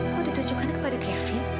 kok ditujukkan kepada kevin